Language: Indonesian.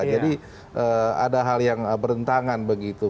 jadi ada hal yang berhentangan begitu